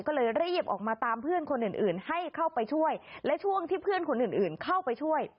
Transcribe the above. ก็เลยรีบออกมาตามเพื่อนคนอื่นอื่นให้เข้าไปช่วยและช่วงที่เพื่อนคนอื่นอื่นเข้าไปช่วย